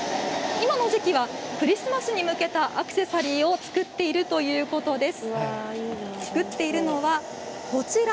今の時期はクリスマスに向けたアクセサリーを作っているそうです。